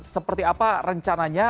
seperti apa rencananya